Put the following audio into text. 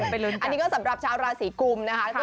อันนี้ก็สำหรับชาวราศีกุมนะคะ